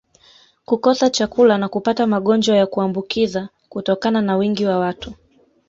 kukosa chakula na kupata magonjwa ya kuambukiza kutokana na wingi wa watu